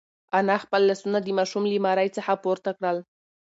انا خپل لاسونه د ماشوم له مرۍ څخه پورته کړل.